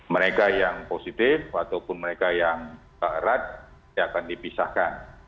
mereka yang positif ataupun mereka yang erat akan dipisahkan